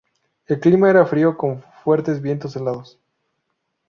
El clima era frío con fuertes vientos helados.